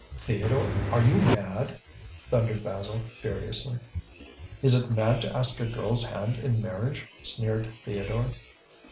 "Theodore, are you mad?" thundered Basil furiously. "Is it mad to ask a girl's hand in marriage?" sneered Theodore.